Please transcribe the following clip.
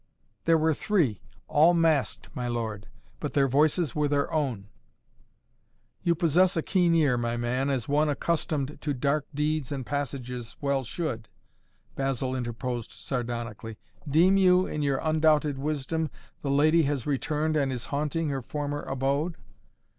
"There were three all masked, my lord. But their voices were their own " "You possess a keen ear, my man, as one, accustomed to dark deeds and passages, well should," Basil interposed sardonically. "Deem you, in your undoubted wisdom, the lady has returned and is haunting her former abode?